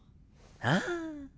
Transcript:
ああ。